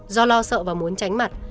do lo sợ và muốn tránh mặt